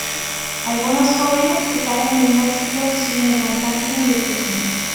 Algunos jóvenes que salen de un asilo siguen el buen camino y otros no.